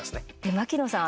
牧野さん